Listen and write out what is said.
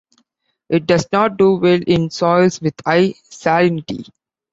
It does not do well in soils with high salinity.